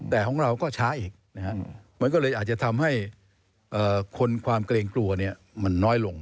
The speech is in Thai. แต่ของเราก็ช้าอีกมันก็เลยอาจจะทำให้คนความเกรงกลัวมันน้อยลง